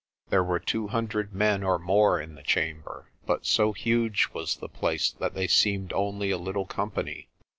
There were two hundred men or more in the chamber, but so huge was the place that they seemed only a little com pany.